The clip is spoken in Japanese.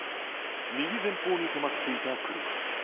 右前方に止まっていた車。